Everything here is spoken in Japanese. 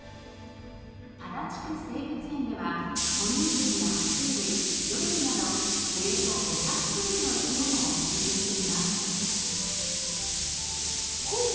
足立区生物園では哺乳類や爬虫類魚類などおよそ５００種類の生き物を飼育しています。